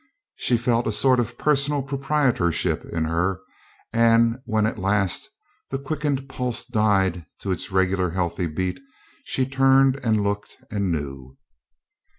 She felt a sort of person proprietorship in her, and when at last the quickened pulse died to its regular healthy beat, she turned and looked and knew.